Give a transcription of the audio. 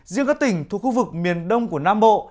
riêng các tỉnh thuộc khu vực miền đông của nam bộ